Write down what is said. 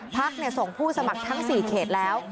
พักส่งผู้สมัครทั้ง๔เขตแล้ว